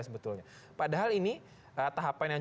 sebetulnya padahal ini tahapan yang